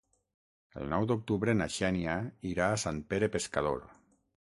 El nou d'octubre na Xènia irà a Sant Pere Pescador.